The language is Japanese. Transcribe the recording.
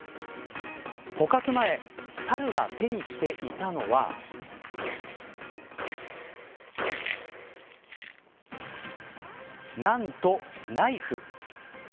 捕獲前、サルが手にしていたのはなんと、ナイフ。